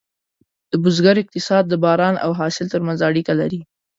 د بزګر اقتصاد د باران او حاصل ترمنځ اړیکه لري.